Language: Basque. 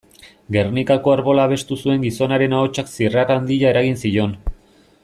Gernikako Arbola abestu zuen gizonaren ahotsak zirrara handia eragin zion.